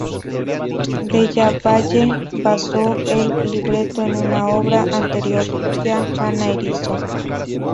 Della Valle basó el libreto en una obra anterior suya, "Anna Erizo".